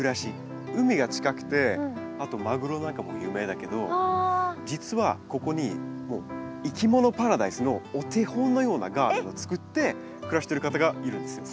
海が近くてあとマグロなんかも有名だけど実はここにいきものパラダイスのお手本のようなガーデンを作って暮らしてる方がいるんですよ。